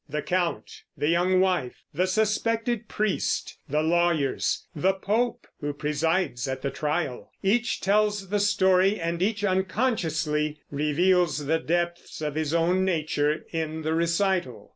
The count, the young wife, the suspected priest, the lawyers, the Pope who presides at the trial, each tells the story, and each unconsciously reveals the depths of his own nature in the recital.